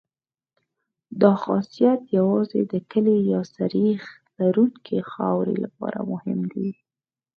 دا خاصیت یوازې د کلې یا سریښ لرونکې خاورې لپاره مهم دی